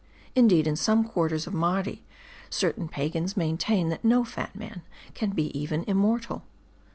Indeed, in some quarters of Mardi, certain pagans maintain, that no fat man can be even immortal.